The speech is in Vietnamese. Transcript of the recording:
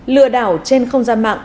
lựa đảo trên không gian mạng